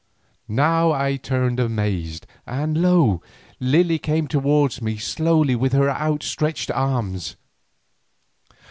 Now I turned amazed, and lo! Lily came towards me slowly and with outstretched arms.